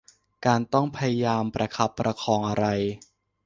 การต้องพยายามประคับประคองอะไร